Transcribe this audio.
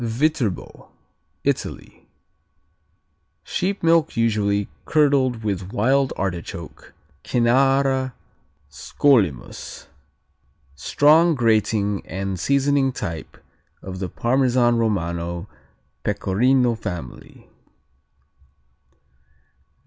Viterbo Italy Sheep milk usually curdled with wild artichoke, Cynara Scolymus. Strong grating and seasoning type of the Parmesan Romano Pecorino family.